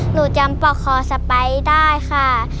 หนูจำปอกคอสไปร์ได้ค่ะ